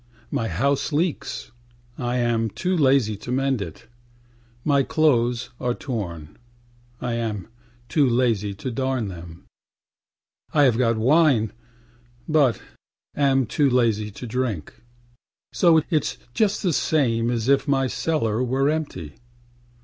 My house leaks; I am too lazy to mend it. My clothes are torn; I am too lazy to darn them. I have got wine, but am too lazy to drink; So itâs just the same as if my cellar were empty.